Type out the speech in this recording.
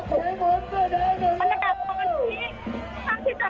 บรรยากาศตอนนี้ท่านพิจักษ์คือพักนะคะ